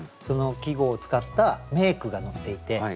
その季語を使った名句が載っていて。